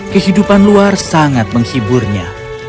kehidupan luar sangat menghiburnya